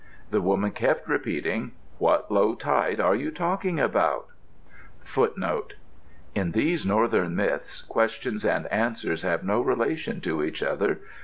The woman kept repeating, "What low tide are you talking about?" In these Northern myths, questions and answers have no relation to each other.